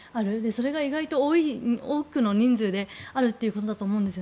それが意外と多くの人数であるということだと思うんです。